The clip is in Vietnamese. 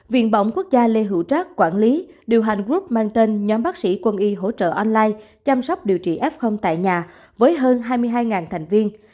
viện bỏng quốc gia lê hữu trác quản lý điều hành group mang tên nhóm bác sĩ quân y hỗ trợ online chăm sóc điều trị f tại nhà với hơn hai mươi hai thành viên